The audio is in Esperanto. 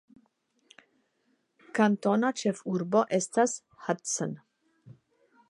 Kantona ĉefurbo estas Hudson.